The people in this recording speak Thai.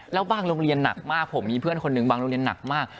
แล้วบางโรงเรียนหนักมากผมมีเพื่อนคนหนึ่งบางโรงเรียนหนักมาก